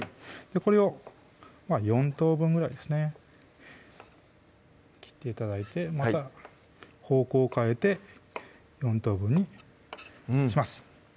これを４等分ぐらいですね切って頂いてまた方向を変えて４等分にします